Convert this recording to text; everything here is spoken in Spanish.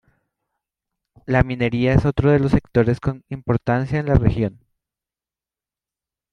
La minería es otro de los sectores con importancia en la región.